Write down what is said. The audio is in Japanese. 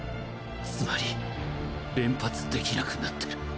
つまり連発できなくなってる。